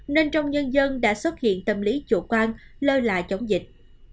nên trong nhân dân đã xuất hiện tâm lý chủ quan lơi lại chống dịch